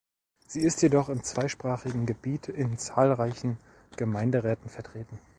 Sie ist jedoch im zweisprachigen Gebiet in zahlreichen Gemeinderäten vertreten.